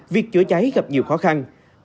việc chữa cháy gặp nhiều khó khăn